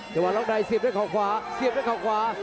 แต่ว่าลองใดเสียบด้วยข่าวขวาเสียบด้วยข่าวขวา